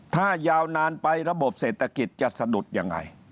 ถ้ายาวนานไประบบเศรษฐกิจจะสะดุดยังไง